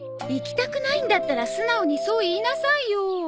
行きたくないんだったら素直にそう言いなさいよ。